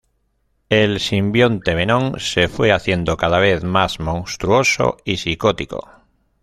El simbionte Venom se fue haciendo cada vez más monstruoso y psicótico.